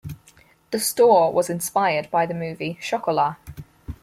The store was inspired by the movie "Chocolat".